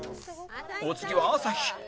お次は朝日